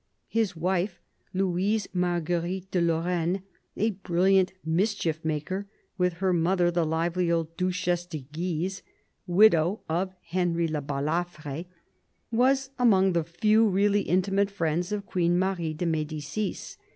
His wife, Louise Marguerite de Lorraine, a brilliant mischief maker, with her mother, the lively old Duchesse de Guise, widow of Henry le Balafre, was among the few really intimate friends of Queen Marie de M^dicis.